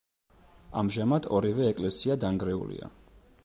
ამჟამად ორივე ეკლესია დანგრეულია.